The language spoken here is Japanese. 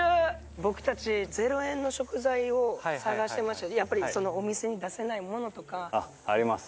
僕たち、０円の食材を探してまして、やっぱりお店に出せないものあります。